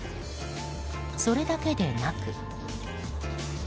それだけでなく。